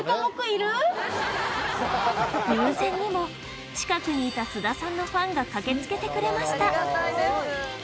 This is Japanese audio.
偶然にも近くにいた須田さんのファンが駆けつけてくれました